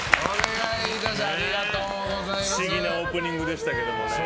不思議なオープニングでしたけどね。